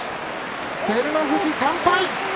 照ノ富士３敗。